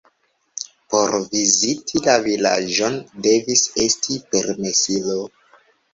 Por viziti la vilaĝon devis esti permesilo.